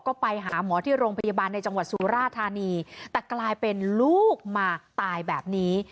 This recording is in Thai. ก็ไปหาหมอที่โรงพยาบาลในจังหวัดสุราธานีแต่กลายเป็นลูกมาตายแบบนี้